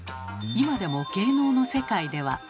今でも芸能の世界では。